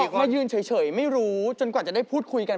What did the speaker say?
มายืนเฉยไม่รู้จนกว่าจะได้พูดคุยกัน